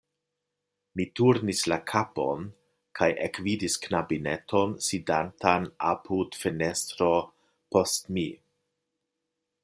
Mi turnis la kapon kaj ekvidis knabineton, sidantan apud fenestro post mi.